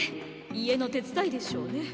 家の手伝いでしょうね。